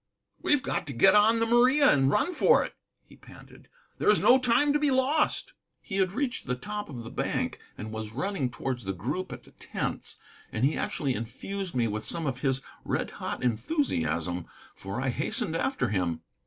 "We've got to get on the Maria and run for it," he panted. "There is no time to be lost." He had reached the top of the bank and was running towards the group at the tents. And he actually infused me with some of his red hot enthusiasm, for I hastened after him.